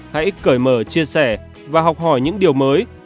hãy cởi mở chia sẻ và học hỏi những điều mới